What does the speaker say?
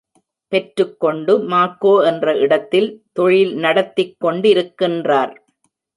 பெற்றுக்கொண்டு மாக்கோ என்ற இடத்தில் தொழில் நடத்திக்கொண்டிருக்கின்றார்.